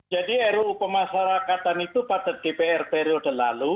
jadi ruu pemasyarakatan itu pada dpr periode lalu